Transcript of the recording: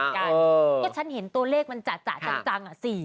ก็ฉันเห็นตัวเลขมันจะจัง